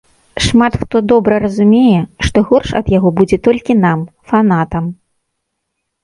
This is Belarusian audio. Шмат хто добра разумее, што горш ад яго будзе толькі нам, фанатам.